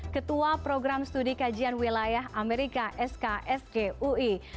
ketua program studi kajian wilayah amerika sksgui